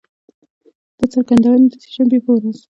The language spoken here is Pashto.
دا څرګندونې د سه شنبې په ورځ